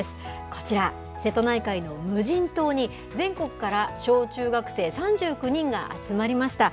こちら、瀬戸内海の無人島に、全国から小中学生３９人が集まりました。